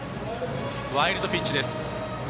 ワイルドピッチです。